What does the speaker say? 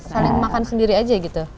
saling makan sendiri aja gitu